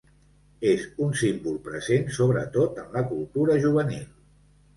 És un símbol present sobretot en la cultura juvenil.